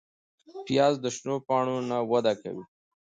پیاز د شنو پاڼو نه وده کوي